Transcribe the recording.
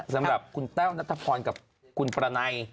สำหรับคุณแต้วนะตะพรกับคุณปลานัย